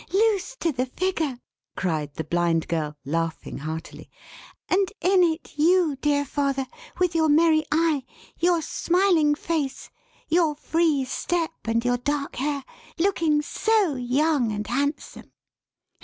loose to the figure!" cried the Blind Girl, laughing heartily; "and in it you, dear father, with your merry eye, your smiling face, your free step, and your dark hair: looking so young and handsome!"